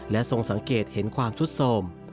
ทรงสังเกตเห็นความสุดโสม